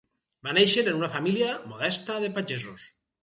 Va néixer en una família modesta de pagesos.